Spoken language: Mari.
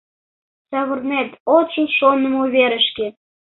Савырнет — от шу шонымо верышке.